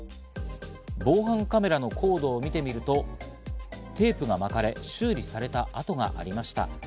防犯カメラのコードを見てみると、テープが巻かれ、修理された跡がありました。